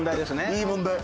いい問題。